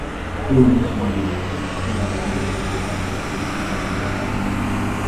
Invisibilización ou abandono de calquera política de igualdade.